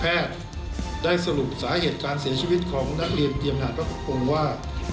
แพทย์ได้สรุปสาเหตุการณ์เสียชีวิตของนักเรียนเตรียมนานพกพงษ์ว่า